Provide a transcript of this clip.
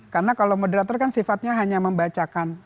karena kalau moderator kan sifatnya hanya membacakan